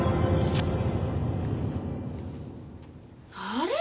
あれ？